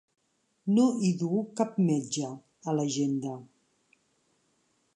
No hi duu cap metge, a l'agenda.